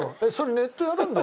ネットやるんだ？